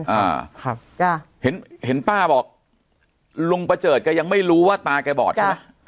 อ่าครับจ้ะเห็นเห็นป้าบอกลุงประเจิดแกยังไม่รู้ว่าตาแกบอดใช่ไหม